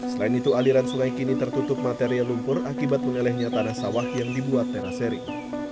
selain itu aliran sungai kini tertutup material lumpur akibat melelehnya tanah sawah yang dibuat terasering